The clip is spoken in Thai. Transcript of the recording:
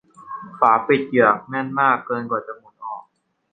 ฝาปิดเหยือกแน่นมากเกินกว่าจะหมุนออก